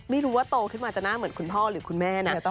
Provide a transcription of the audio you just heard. ไม่รู้ว่าโตขึ้นมาจะหน้าเหมือนคุณพ่อหรือคุณแม่นะ